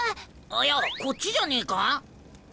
あっいやこっちじゃねえか？